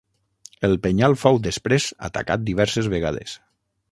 El penyal fou després atacat diverses vegades.